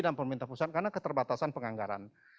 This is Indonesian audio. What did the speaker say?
dan pemerintah pusat karena keterbatasan penganggaran